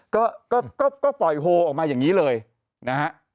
ก็ก็ปล่อยโฮออกมาอย่างนี้เลยนะฮะ